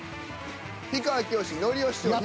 「氷川きよし」「のりお師匠」。